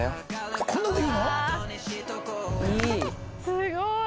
すごい。